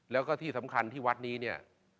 แล้วก็ที่สำคัญที่วัดนี้เนี่ย